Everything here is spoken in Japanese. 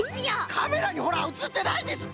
カメラにほらうつってないですって！